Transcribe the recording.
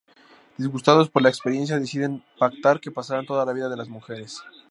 Disgustados por la experiencia, deciden pactar que pasarán toda la vida de las mujeres.